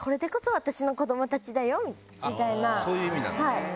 そういう意味なんだ。